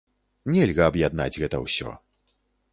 Нельга аб'яднаць гэта ўсё.